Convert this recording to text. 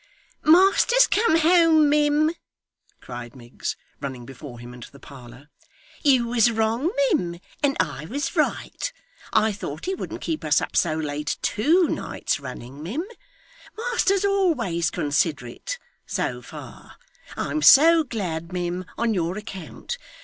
'Master's come home, mim,' cried Miggs, running before him into the parlour. 'You was wrong, mim, and I was right. I thought he wouldn't keep us up so late, two nights running, mim. Master's always considerate so far. I'm so glad, mim, on your account.